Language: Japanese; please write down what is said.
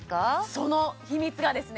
その秘密がですね